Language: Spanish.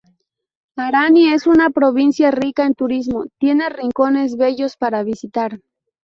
Arani es una provincia rica en turismo; tiene rincones bellos para visitar.